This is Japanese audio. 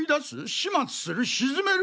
始末する？